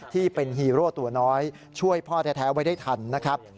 ที่เป็นฮีโร่ตัวน้อยช่วยพ่อแท้ไว้ได้ทันนะครับ